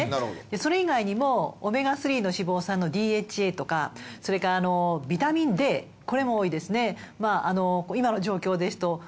それ以外にもオメガ３の脂肪酸のＤＨＡとかそれからビタミンＤこれも多いですね。